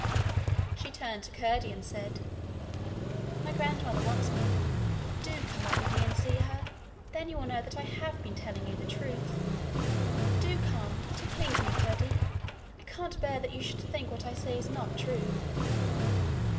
She turned to Curdie and said: 'My grandmother wants me. Do come up with me and see her. Then you will know that I have been telling you the truth. Do come to please me, Curdie. I can't bear you should think what I say is not true.'